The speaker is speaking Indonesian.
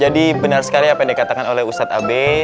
jadi benar sekali apa yang dikatakan oleh ustadz abe